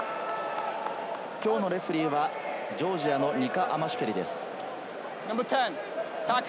きょうのレフェリーはジョージアのニカ・アマシュケリです。